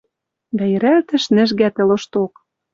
Дӓ йӹрӓлтӹш нӹжгӓ тӹ лошток.